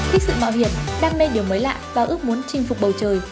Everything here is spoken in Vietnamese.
thích sự mạo hiểm đam mê điều mới lạ và ước muốn chinh phục bầu trời